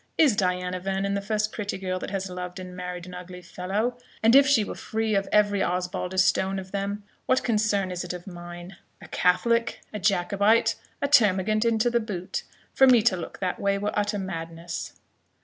Is Diana Vernon the first pretty girl that has loved and married an ugly fellow? And if she were free of every Osbaldistone of them, what concern is it of mine? a Catholic a Jacobite a termagant into the boot for me to look that way were utter madness."